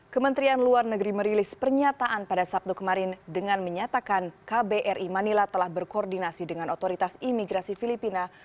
kementerian luar negeri merilis pernyataan pada sabtu kemarin dengan menyatakan kbri manila telah berkoordinasi dengan otoritas imigrasi filipina